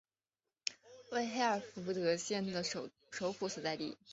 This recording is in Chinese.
为黑尔福德县的首府所在地。